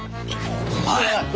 お前！